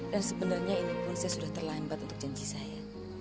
dan sebenarnya ini proses sudah terlambat untuk janji saya